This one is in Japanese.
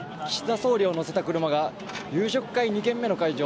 総理を乗せた車が夕食会２軒目の会場